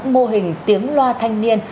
mô hình tiếng loa thanh niên